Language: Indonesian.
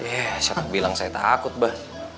eh siapa bilang saya takut bah